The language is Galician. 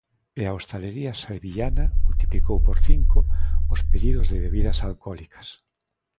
E a hostalería sevillana multiplicou por cinco os pedidos de bebidas alcólicas.